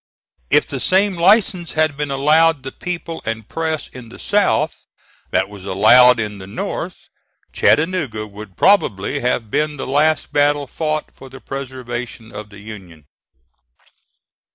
If the same license had been allowed the people and press in the South that was allowed in the North, Chattanooga would probably have been the last battle fought for the preservation of the Union.